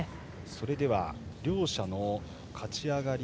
それでは両者の勝ち上がり